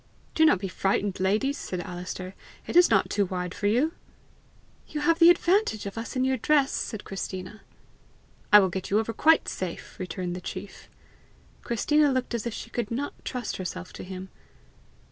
"Do not be frightened, ladies," said Alister: "it is not too wide for you." "You have the advantage of us in your dress!" said Christina. "I will get you over quite safe," returned the chief. Christina looked as if she could not trust herself to him.